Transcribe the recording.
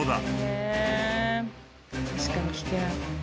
へえ確かに危険。